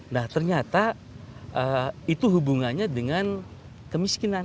nah ternyata itu hubungannya dengan kemiskinan